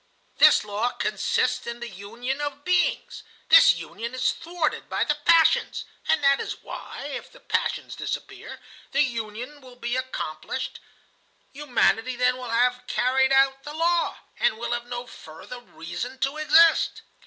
This law consists in the union of beings. This union is thwarted by the passions. And that is why, if the passions disappear, the union will be accomplished. Humanity then will have carried out the law, and will have no further reason to exist."